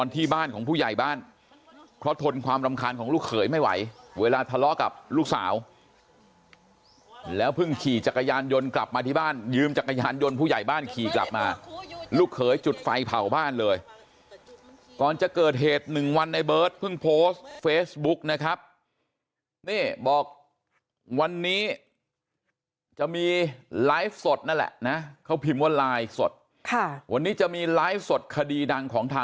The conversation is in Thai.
ที่บ้านของผู้ใหญ่บ้านเพราะทนความรำคาญของลูกเขยไม่ไหวเวลาทะเลาะกับลูกสาวแล้วเพิ่งขี่จักรยานยนต์กลับมาที่บ้านยืมจักรยานยนต์ผู้ใหญ่บ้านขี่กลับมาลูกเขยจุดไฟเผาบ้านเลยก่อนจะเกิดเหตุหนึ่งวันในเบิร์ตเพิ่งโพสต์เฟซบุ๊กนะครับนี่บอกวันนี้จะมีไลฟ์สดนั่นแหละนะเขาพิมพ์ว่าไลฟ์สดค่ะวันนี้จะมีไลฟ์สดคดีดังของท